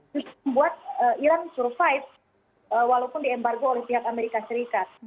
justru membuat iran survive walaupun diembargo oleh pihak amerika serikat